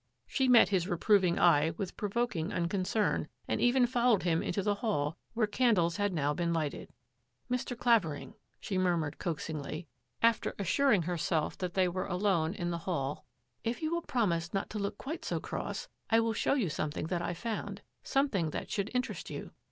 She met his reproving eye with provoking uncon cern and even followed him into the hall, where candles had now been lighted. " Mr. Clavering," she murmtired coaxingly, after assuring herself that they were alone in the hall, " if you will promise not to look quite so cross, I will show you something that I found — some thing that should interest you."